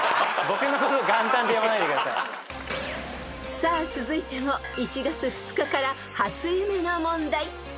［さあ続いても１月２日から初夢の問題］